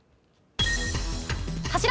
柱！